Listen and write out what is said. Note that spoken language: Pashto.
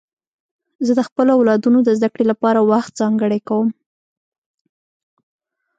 زه د خپلو اولادونو د زدهکړې لپاره وخت ځانګړی کوم.